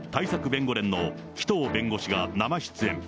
弁護連の紀藤弁護士が生出演。